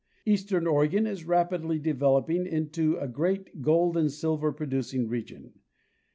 Eastern Oregon is rapidly de veloping into a great gold and silver producing region.